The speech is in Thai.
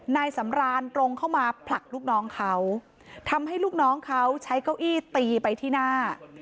นายสำรานตรงเข้ามาผลักลูกน้องเขาทำให้ลูกน้องเขาใช้เก้าอี้ตีไปที่หน้า